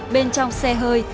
bên trong xe hơi